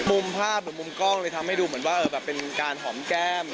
มุมภาพมุมกล้องเลยทำให้ดูว่าเป็นการหอมแก้ม